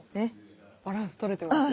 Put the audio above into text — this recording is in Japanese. バランス取れてますね。